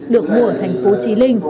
được mua ở thành phố trí linh